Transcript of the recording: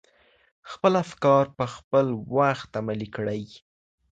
خپل افکار په خپل وخت عملي کړئ.